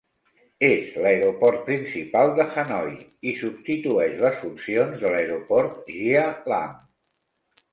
És l'aeroport principal de Hanoi i substitueix les funcions de l'Aeroport Gia Lam.